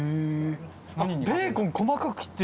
ベーコン細かく切って。